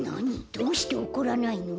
どうして怒らないの？